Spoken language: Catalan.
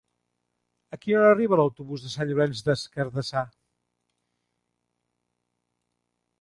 A quina hora arriba l'autobús de Sant Llorenç des Cardassar?